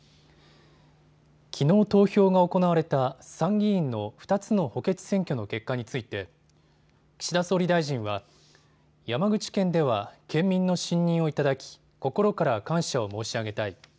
きのう投票が行われた参議院の２つの補欠選挙の結果について岸田総理大臣は山口県では県民の信任を頂き心から感謝を申し上げたい。